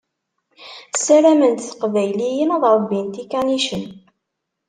Ssarament teqbayliyin ad ṛebbint ikanicen.